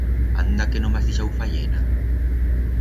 Anda que no m'has deixau fayena!